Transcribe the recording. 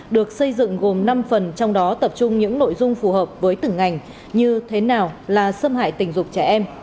được xây dựng gồm năm phần trong đó tập trung những nội dung phù hợp với từng ngành như thế nào là xâm hại tình dục trẻ em